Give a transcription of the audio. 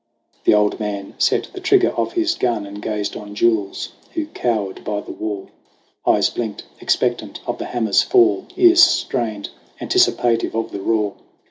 The old man set the trigger of his gun And gazed on Jules who cowered by the wall. Eyes blinked, expectant of the hammer's fall ; Ears strained, anticipative of the roar.